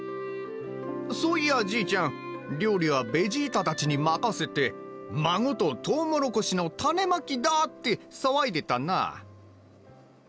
そういやじいちゃん料理はベジータたちに任せて孫ととうもろこしの種まきだって騒いでたな。